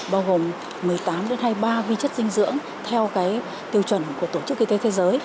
bao gồm một mươi tám đến hai mươi ba vi chất dinh dưỡng theo cái tiêu chuẩn của tổ chức kinh tế thế giới